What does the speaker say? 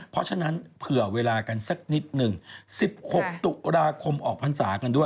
เพราะฉะนั้นเผื่อเวลากันสักนิดหนึ่ง๑๖ตุลาคมออกพรรษากันด้วย